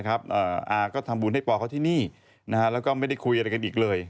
อาร์ก็ทำบุญให้ป่าวเค้าที่นี่และก็ไม่ได้คุยอะไรกันจริงเลย